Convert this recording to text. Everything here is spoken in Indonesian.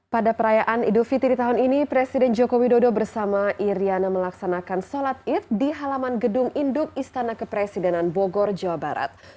pada perayaan idul fitri tahun ini presiden joko widodo bersama iryana melaksanakan sholat id di halaman gedung induk istana kepresidenan bogor jawa barat